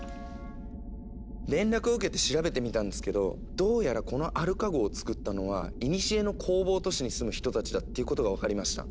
連絡を受けて調べてみたんですけどどうやらこのアルカ号をつくったのはいにしえの工房都市に住む人たちだっていうことが分かりました。